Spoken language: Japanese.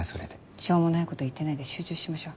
しょうもないこと言ってないで集中しましょう。